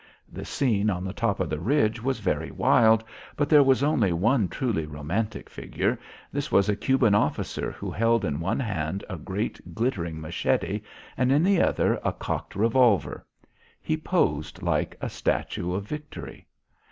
The scene on the top of the ridge was very wild, but there was only one truly romantic figure. This was a Cuban officer who held in one hand a great glittering machete and in the other a cocked revolver. He posed like a statue of victory.